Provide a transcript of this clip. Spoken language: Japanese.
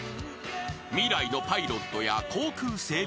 ［未来のパイロットや航空整備士］